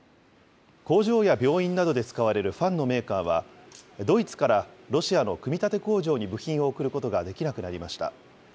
工場や病院などで使われるファンのメーカーは、ドイツからロシアの組み立て工場に部品を送ることができなくなりました。